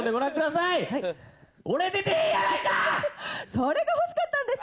それが欲しかったんです！